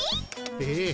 ええ。